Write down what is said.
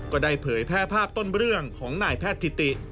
ก็ได้เผยแพร่ภาพต้นเรื่องของนายแพทย์ถิติ